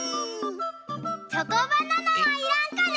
チョコバナナはいらんかね？